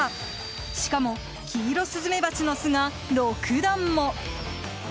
しかもキイロスズメバチの巣が６段も。